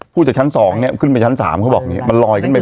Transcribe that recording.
พูดจากชั้นสองเนี่ยก็บอกงี้ขึ้นไปชั้นสามก็บอกมันลอยขึ้นไป